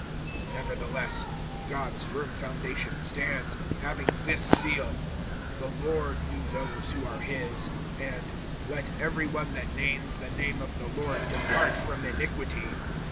(19)Nevertheless, God's firm foundation stands, having this seal: The Lord knew those who are his; and, Let every one that names the name of the Lord depart from iniquity.